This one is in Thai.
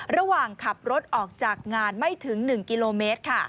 ระหว่างขับรถออกจากงานไม่ถึง๑กิโลเมตร